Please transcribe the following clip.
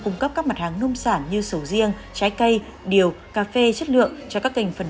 cung cấp các mặt hàng nông sản như sầu riêng trái cây điều cà phê chất lượng cho các kênh phân